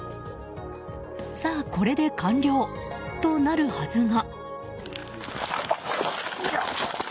さあ、これで完了となるはずが。